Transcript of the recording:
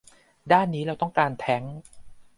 ด่านนี้เราต้องการแทงค์